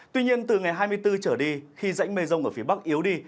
tuy nhiên từ ngày hai mươi bốn trở đi khi dãnh mây rông ở phía bắc yếu đi